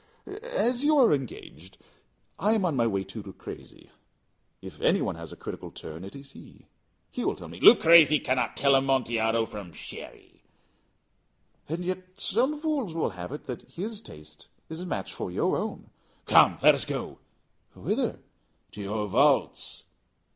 "As you are engaged, I am on my way to Luchesi. If any one has a critical turn, it is he. He will tell me " "Luchesi cannot tell Amontillado from Sherry." "And yet some fools will have it that his taste is a match for your own." "Come, let us go." "Whither?" "To your vaults."